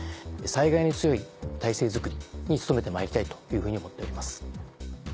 災害に強い体制づくりに努めてまいりたいというふうに思っております。